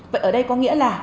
vậy ở đây có nghĩa là